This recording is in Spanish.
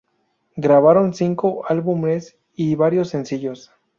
Grabaron cinco álbumes y varios sencillos.